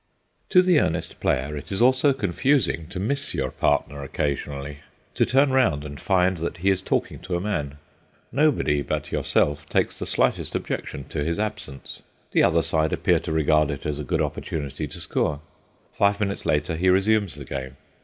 To the earnest player, it is also confusing to miss your partner occasionally—to turn round and find that he is talking to a man. Nobody but yourself takes the slightest objection to his absence. The other side appear to regard it as a good opportunity to score. Five minutes later he resumes the game.